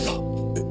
えっ？